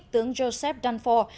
tướng joseph dunford